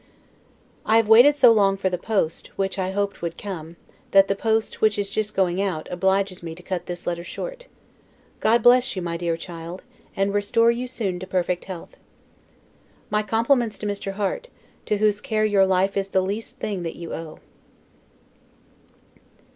I have waited so long for the post, which I hoped would come, that the post, which is just going out, obliges me to cut this letter short. God bless you, my dear child! and restore you soon to perfect health! My compliments to Mr. Harte; to whose care your life is the least thing that you owe.